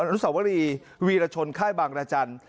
อนุสาวรีวีรชนค่ายบางรจันทร์